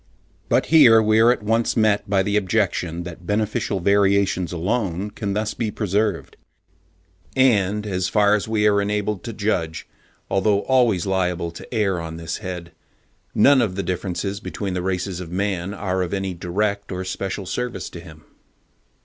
But here we are at once met by the objection that beneficial variations alone can be thus preserved; and as far as we are enabled to judge, although always liable to err on this head, none of the differences between the races of man are of any direct or special service to him.